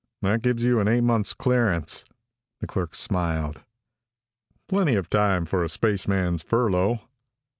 "That gives you an eight months' clearance." The clerk smiled. "Plenty of time for a spaceman's furlough."